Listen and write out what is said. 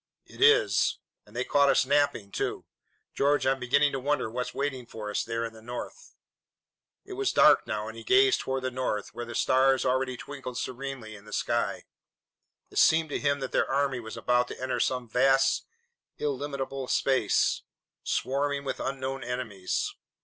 "It is, and they caught us napping, too. George, I'm beginning to wonder what's waiting for us there in the North." It was dark now and he gazed toward the North, where the stars already twinkled serenely in the sky. It seemed to him that their army was about to enter some vast, illimitable space, swarming with unknown enemies.